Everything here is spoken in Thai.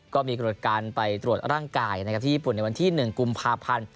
ก็มีกระบวนการไปตรวจร่างกายนะครับที่ญี่ปุ่นในวันที่๑กุมภาพันธ์